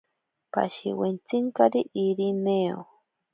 Pashiwentsinkari Irineo.